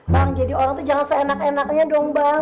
bang jadi orang tuh jangan seenak enaknya dong bang